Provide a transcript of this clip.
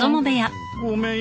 ごめんよ